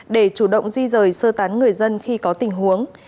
để chủ động di rời sơ tán người dân khi có tình huống